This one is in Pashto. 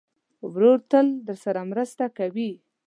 ورور تل درسره مرسته کوي.